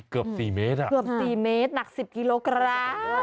เกือบ๔เมตรหนัก๑๐โกราณ